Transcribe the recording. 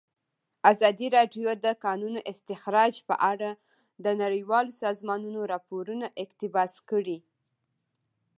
ازادي راډیو د د کانونو استخراج په اړه د نړیوالو سازمانونو راپورونه اقتباس کړي.